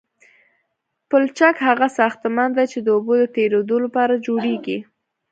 پلچک هغه ساختمان دی چې د اوبو د تیرېدو لپاره جوړیږي